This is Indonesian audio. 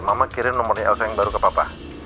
mama kirim nomornya elsa yang baru ke papa